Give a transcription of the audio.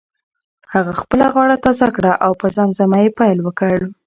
هغه خپله غاړه تازه کړه او په زمزمه یې پیل وکړ.